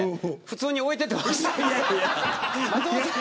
普通に置いててほしい。